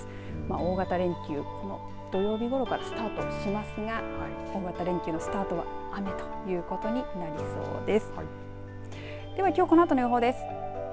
大型連休、土曜日ごろからスタートしますが大型連休のスタートは雨ということになりそうです。